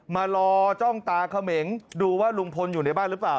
มารอจ้องตาเขมงดูว่าลุงพลอยู่ในบ้านหรือเปล่า